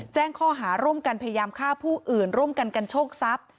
แจ้งข้อหาร่วมกันพยายามฆ่าผู้อื่นร่วมกันกันโชคทรัพย์